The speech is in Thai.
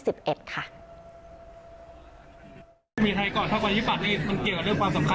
สมบัติการพลังมีชาติรักษ์ได้หรือเปล่า